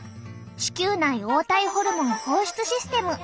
子宮内黄体ホルモン放出システム。